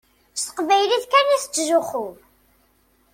S teqbaylit kan i tettzuxxum.